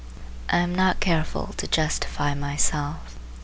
I am not careful to justify myself.